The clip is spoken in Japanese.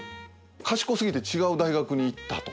賢すぎて違う大学に行ったと。